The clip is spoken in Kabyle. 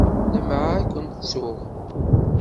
Leɛmeɛ i kent-ttuɣ.